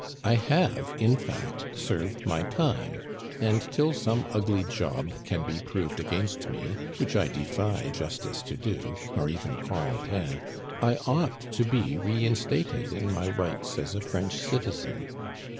I have, in fact, served my time, and till some ugly job can be proved against me, which I defy Justice to do, or even Corentin I ought to be reinstated in my rights as a French citizen.